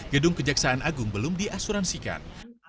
gedung kejaksaan agung belum diasuransikan